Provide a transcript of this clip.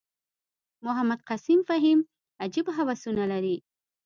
محمد قسیم فهیم عجیب هوسونه لري.